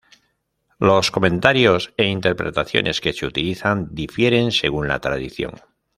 Los comentarios e interpretaciones que se utilizan difieren según la tradición.